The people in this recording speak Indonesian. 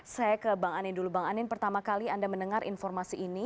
saya ke bang anin dulu bang anin pertama kali anda mendengar informasi ini